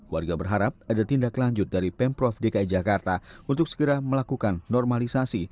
warga berharap ada tindak lanjut dari pemprov dki jakarta untuk segera melakukan normalisasi